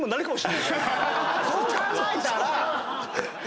そう考えたら先に。